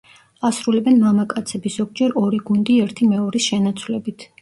ასრულებენ მამაკაცები, ზოგჯერ ორი გუნდი ერთი მეორის შენაცვლებით.